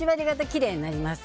きれいになります。